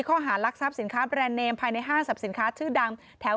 ข้อหารักทรัพย์สินค้าแบรนด์เนมภายในห้างสรรพสินค้าชื่อดังแถว